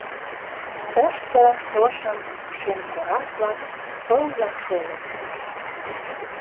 Тыште шошым шем корак-влак пылла шолыт.